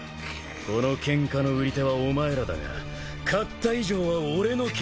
このケンカの売り手はお前らだが買った以上は俺のケンカだ。